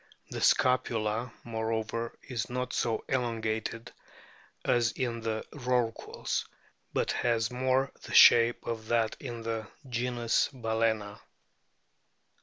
The scapula, moreover, is not so elongated as in the Rorquals, but has more the shape of that in the genus Balcena.